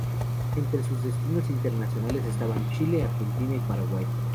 Entre sus destinos internacionales estaban Chile, Argentina y Paraguay.